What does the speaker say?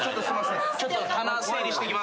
ちょっと棚整理してきます。